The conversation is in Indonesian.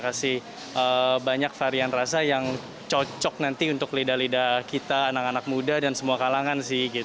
kasih banyak varian rasa yang cocok nanti untuk lidah lidah kita anak anak muda dan semua kalangan sih